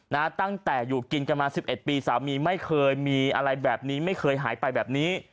ตั้งแต่อยู่กินกันมาสิบเอ็ดปีสามีไม่เคยมีอะไรแบบนี้ไม่เคยหายไปแบบนี้